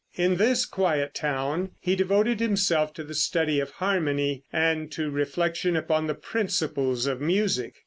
In this quiet town he devoted himself to the study of harmony, and to reflection upon the principles of music.